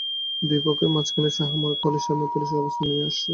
দুই পক্ষের মাঝখানে শাহ আমানত হলের সামনে পুলিশ অবস্থান নিয়ে আছে।